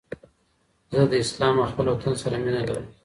زه د اسلام او خپل وطن سره مینه لرم